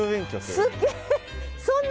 すげえな。